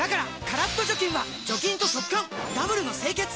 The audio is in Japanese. カラッと除菌は除菌と速乾ダブルの清潔！